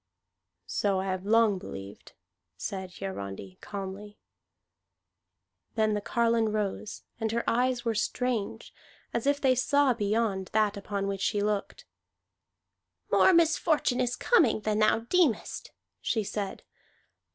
"So I have long believed," said Hiarandi calmly. Then the carline rose, and her eyes were strange, as if they saw beyond that upon which she looked. "More misfortune is coming than thou deemest," she said.